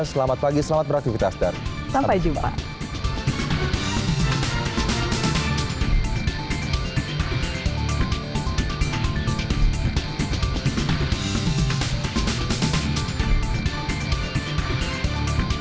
selamat pagi selamat beraktivitas dan sampai jumpa